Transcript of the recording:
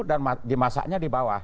dan dimasaknya di bawah